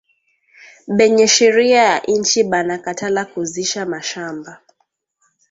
Benye sheria ya inchi bana katala kuzisha mashamba